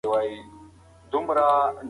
روباټونه اوس کورونو ته ننوځي.